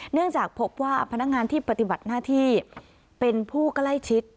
เนื่องจากพบว่าพนักงานที่ปฏิบัติหน้าที่เป็นผู้ใกล้ชิด